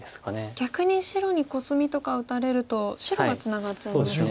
逆に白にコスミとか打たれると白がツナがっちゃいますよね。